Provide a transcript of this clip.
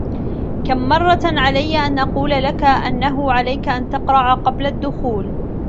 كم مرّة عليّ أن أقول لك أنّه عليك أن تقرع قبل الدّخول؟